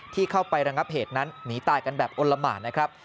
ที่เข้าไประงับเหตุนั้นหนีตายกันแบบอลละหมานนะครับ